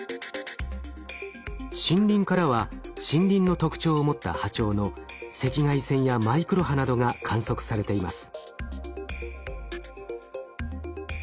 森林からは森林の特徴を持った波長の赤外線やマイクロ波などが観測されています。